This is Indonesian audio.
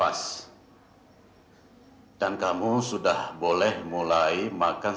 jangan sampai membuat dia tersinggung